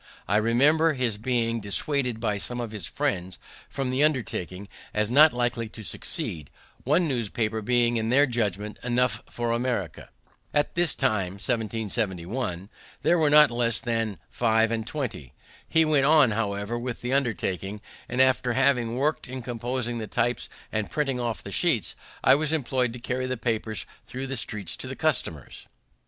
I remember his being dissuaded by some of his friends from the undertaking, as not likely to succeed, one newspaper being, in their judgment, enough for America. At this time (1771) there are not less than five and twenty. He went on, however, with the undertaking, and after having worked in composing the types and printing off the sheets, I was employed to carry the papers thro' the streets to the customers.